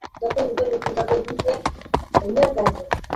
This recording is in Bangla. যত উপরে উঠিবে তত দুই-ই এক হইয়া যাইবে।